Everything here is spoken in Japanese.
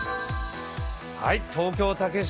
東京・竹芝